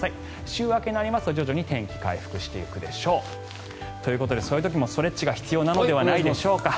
週明けになりますと、徐々に天気回復していくでしょう。ということでそういう時もストレッチが必要なのではないでしょうか。